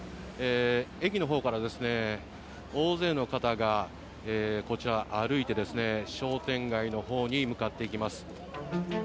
駅のほうから大勢の方がこちら、歩いて商店街のほうに向かっていきます。